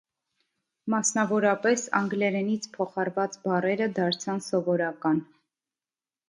Մասնավորապես, անգլերենից փոխառված բառերը դարձան սովորական։